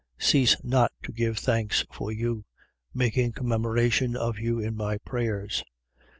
Cease not to give thanks for you, making commemoration of you in my prayers, 1:17.